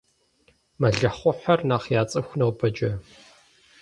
Мэлыхъуэхьэр нэхъ яцӀыху нобэкӀэ.